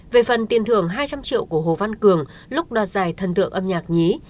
về phần tiền thưởng hai trăm linh triệu của hồ văn cường lúc đoạt giải thần tượng âm nhạc nhí